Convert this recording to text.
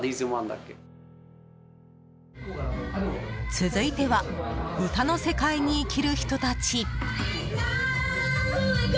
続いては歌の世界に生きる人たち。